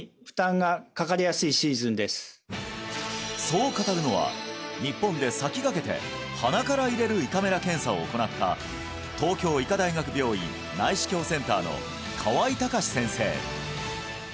そう語るのは日本で先駆けて鼻から入れる胃カメラ検査を行った東京医科大学病院内視鏡センターの河合隆先生